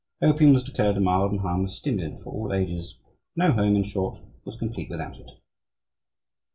Opium was declared a mild and harmless stimulant for all ages. No home, in short, was complete without it.